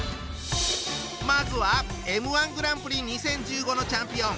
まずはＭ−１グランプリ２０１５のチャンピオン。